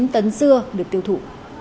chín tấn dưa được tiêu thụ